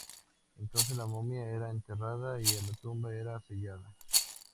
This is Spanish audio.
Entonces la momia era enterrada y la tumba era sellada.